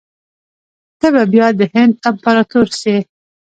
ته به بیا د هند امپراطور سې.